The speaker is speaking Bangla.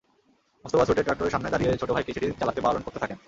মোস্তফা ছুটে ট্রাক্টরের সামনে দাঁড়িয়ে ছোট ভাইকে সেটি চালাতে বারণ করতে থাকেন।